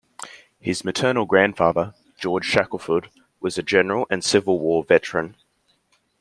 His maternal grandfather, George Shackelford, was a General and Civil War veteran.